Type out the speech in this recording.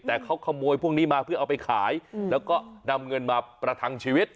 แต่เขาขโมยพวกนี้มาเพื่อเอาไปขายแล้วก็นำเงินมาประทังชีวิต